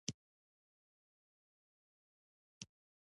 ښه خدمت د هر تجارت اساس دی.